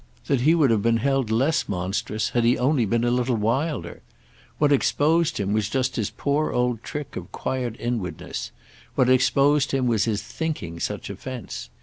—that he would have been held less monstrous had he only been a little wilder. What exposed him was just his poor old trick of quiet inwardness, what exposed him was his thinking such offence.